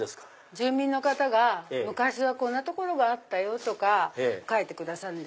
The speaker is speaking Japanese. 住民の方が「昔はこんな所があったよ」とか書いてくださる。